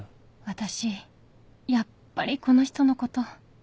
私やっぱりこの人のこと